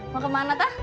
mau kemana tuh